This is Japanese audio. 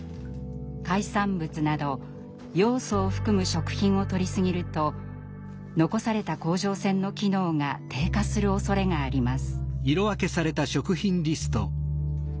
海産物などヨウ素を含む食品をとり過ぎると残された甲状腺の機能が低下するおそれがあります。